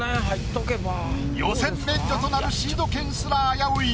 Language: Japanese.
予選免除となるシード権すら危うい。